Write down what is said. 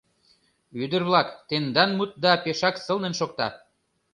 — Ӱдыр-влак, тендан мутда пешак сылнын шокта.